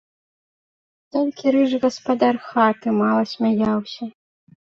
Толькі рыжы гаспадар хаты мала смяяўся.